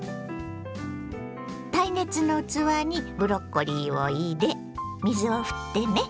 耐熱の器にブロッコリーを入れ水をふってね。